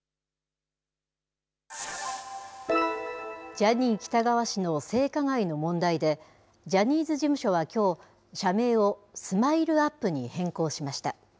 ジャニー喜多川氏の性加害の問題で、ジャニーズ事務所はきょう、社名をＳＭＩＬＥーＵＰ．に変更しました。